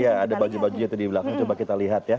iya ada baju bajunya itu di belakang coba kita lihat ya